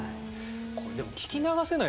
これでも聞き流せないですよね。